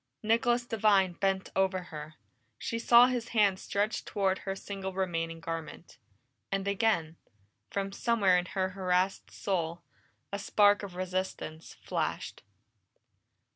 Nicholas Devine bent over her; she saw his hand stretch toward her single remaining garment. And again, from somewhere in her harassed soul, a spark of resistance flashed.